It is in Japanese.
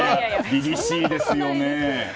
凛々しいですよね。